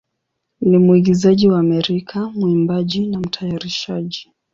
ni mwigizaji wa Amerika, mwimbaji, na mtayarishaji.